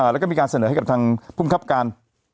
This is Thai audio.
แล้วก็มีการเสนอให้กับทางภูมิครับการ